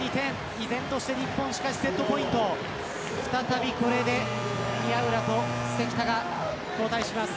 依然として日本、セットポイント再び宮浦と関田が交代します。